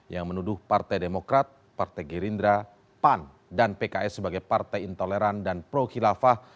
yang menuduh partai demokrat partai gerindra pan dan pks sebagai partai intoleran dan pro khilafah